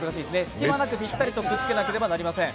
すき間なくぴったりとくっつけなければなりません。